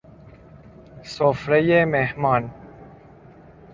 سفره مهمان